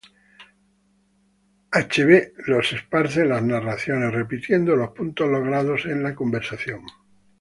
Achebe los esparce en las narraciones, repitiendo los puntos logrados en la conversación.